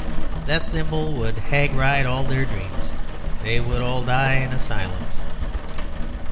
That thimble would hag ride all their dreams. They would all die in asylums.